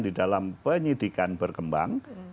di dalam penyidikan berkembang